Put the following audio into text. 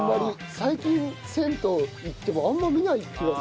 最近銭湯行ってもあんま見ない気がする。